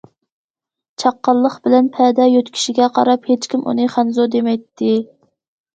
چاققانلىق بىلەن پەدە يۆتكىشىگە قاراپ ھېچكىم ئۇنى خەنزۇ دېمەيتتى.